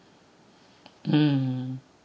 うん。